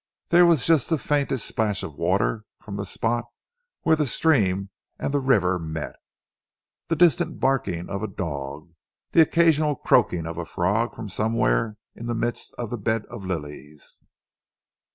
There was just the faintest splash of water from the spot where the stream and the river met, the distant barking of a dog, the occasional croaking of a frog from somewhere in the midst of the bed of lilies.